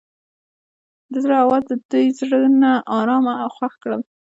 د زړه اواز د دوی زړونه ارامه او خوښ کړل.